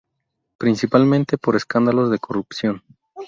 Principalmente por escándalos de corrupción.